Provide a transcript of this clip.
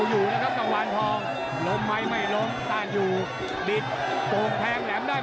ดืดไม่เลิกจริงคับกางวานทอง